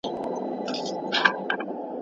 شاعر د لغتونو انتخاب ته پاملرنه کوي.